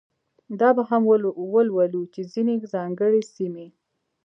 دا به هم ولولو چې ځینې ځانګړې سیمې.